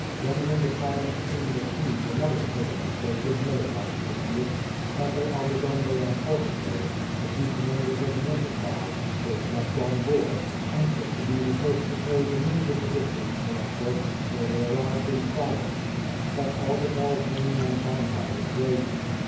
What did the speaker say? Then when the triumph seemed achieved another fatal mistake was made by the patriots. Sainte Aldegonde and Hohenlohe, the two commanders of the enterprise, both leapt on board, anxious to be the first to carry the news of the victory to Antwerp, where they arrived in triumph, and set all the bells ringing and bonfires blazing.